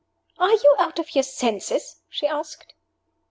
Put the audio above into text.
"Are you out of your senses?" she asked.